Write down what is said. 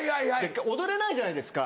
踊れないじゃないですか。